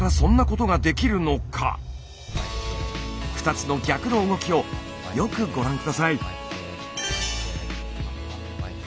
２つの「逆の動き」をよくご覧下さい。